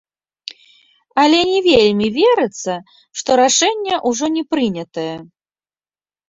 Але не вельмі верыцца, што рашэнне ўжо не прынятае.